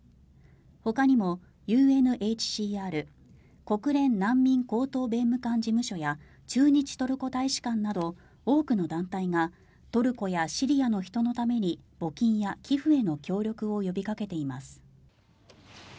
ほかにも、ＵＮＨＣＲ・国連難民高等弁務官事務所や駐日トルコ大使館など多くの団体がトルコやシリアの人のために募金や寄付への協力を呼びかけています。